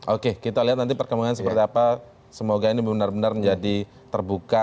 oke kita lihat nanti perkembangan seperti apa semoga ini benar benar menjadi terbuka